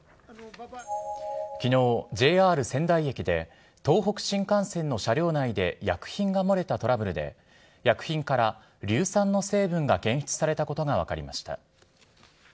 きのう、ＪＲ仙台駅で、東北新幹線の車両内で薬品が漏れたトラブルで、薬品から硫酸の成分が検出されたことが分かりました。